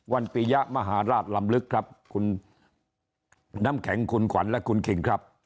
ปียะมหาราชลำลึกครับคุณน้ำแข็งคุณขวัญและคุณคิงครับ